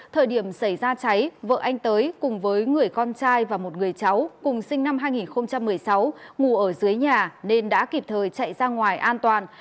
thời điểm xảy ra cháy vợ anh tới cùng với người con trai và một người cháu cùng sinh năm hai nghìn một mươi sáu ngủ ở dưới nhà nên đã kịp thời chạy ra ngoài an toàn